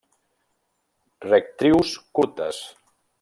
Rectrius curtes.